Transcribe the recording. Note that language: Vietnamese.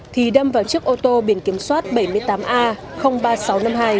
thì đâm vào chiếc ô tô biển kiểm soát bảy mươi tám a ba nghìn sáu trăm năm mươi hai